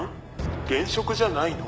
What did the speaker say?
現職じゃないの？」